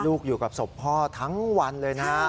อยู่กับศพพ่อทั้งวันเลยนะฮะ